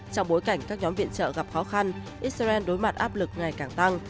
trong bối cảnh các nhóm viện trợ gặp khó khăn israel đối mặt áp lực ngày càng tăng